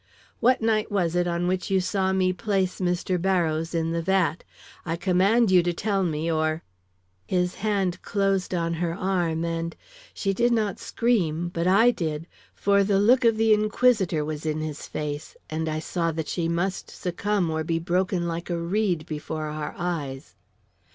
What night was it on which you saw me place Mr. Barrows in the vat? I command you to tell me, or " His hands closed on her arm, and she did not scream, but I did; for the look of the inquisitor was in his face, and I saw that she must succumb, or be broken like a reed before our eyes.